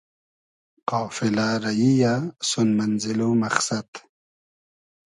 قافیلۂ ریی یۂ سون مئنزېل و مئخسئد